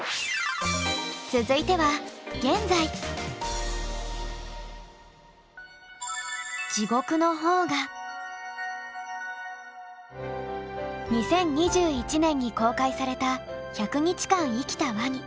続いては２０２１年に公開された「１００日間生きたワニ」。